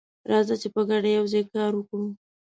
راځه چې په ګډه یوځای کار وکړو.